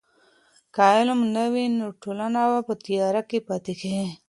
که علم نه وي نو ټولنه په تیاره کي پاتیږي.